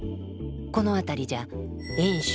この辺りじゃ遠州